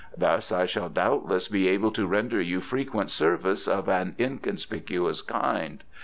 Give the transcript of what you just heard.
Thus I shall doubtless be able to render you frequent service of an inconspicuous kind.